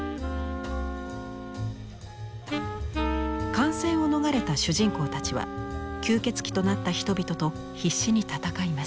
感染を逃れた主人公たちは吸血鬼となった人々と必死に戦います。